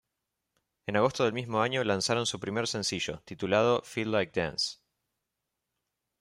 En agosto del mismo año lanzaron su primer sencillo, titulado ""Feel Like dance"".